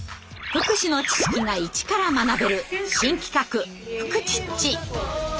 福祉の知識がイチから学べる新企画「フクチッチ」。